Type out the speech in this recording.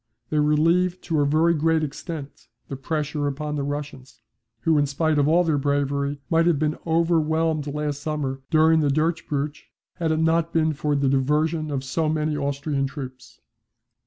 They relieve to a very great extent the pressure upon the Russians, who, in spite of all their bravery, might have been overwhelmed last summer during the 'durchbruch' had it not been for the diversion of so many Austrian troops.